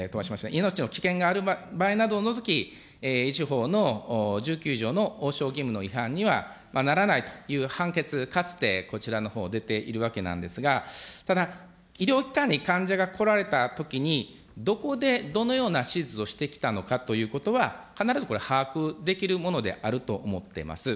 命の危険などがある場合を除き、医師法の１９条のおうしょう義務の違反にはならないという判決、かつてこちらのほう、出ているわけなんですが、ただ、医療機関に患者が来られたときに、どこでどのような手術をしてきたのかということは、必ずこれ、把握できるものであると思っています。